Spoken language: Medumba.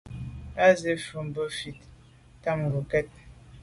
Á rə̌ bā mfū zə̄ bú fí nə̌ lǔ’ tɑ̂mə̀ ngokɛ́t.